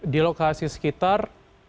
di lokasi sekitar